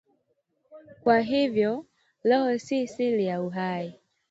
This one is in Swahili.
Kwa hivyo, roho ni siri ya uhai